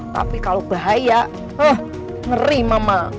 tapi kalau bahaya oh ngeri mama